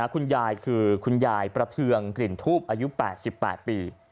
คุณยายคือคุณยายประเทืองกลิ่นทูบอายุ๘๘ปี